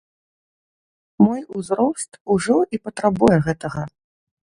Мой узрост ужо і патрабуе гэтага.